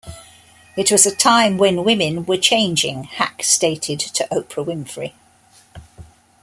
"It was a time when women were changing" Hack stated to Oprah Winfrey.